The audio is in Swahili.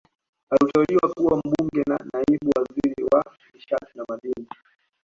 Aliteuliwa kuwa Mbunge na Naibu Waziri wa Nishati na Madini